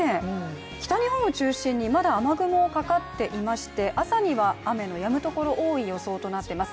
北日本を中心にまだ雨雲がかかっていまして、朝には雨のやむところ多くなる予想となっています。